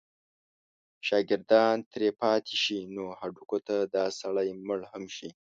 شاګردان ترې پاتې شي نو هډو که دا سړی مړ هم شي.